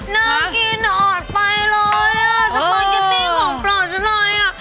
น่ากินออดไปเลยอะมันนิ๊กซ์ของพร้อมจะไหน